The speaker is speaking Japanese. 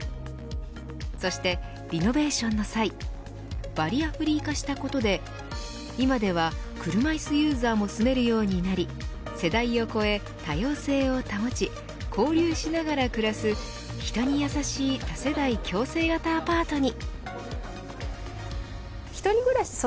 そして、リノベーションの際バリアフリー化したことで今では車いすユーザーも住めるようになり世代を超え、多様性を保ち交流しながら暮らす人にやさしい多世代共生型アパートに。